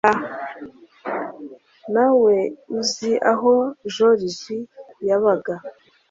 ntawe uzi aho Joriji yabaga